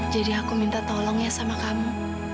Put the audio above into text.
jadi aku minta tolong ya sama kamu